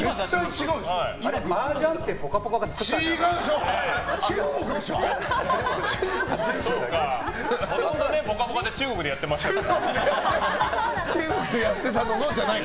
マージャンって「ぽかぽか」が作ったんじゃない？